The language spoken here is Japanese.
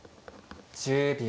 １０秒。